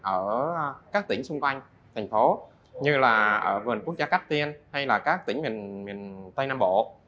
ở các tỉnh xung quanh thành phố như là ở vườn quốc gia cách tiên hay là các tỉnh miền tây nam bộ